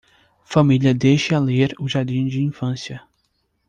Família deixe-a ler o jardim de infância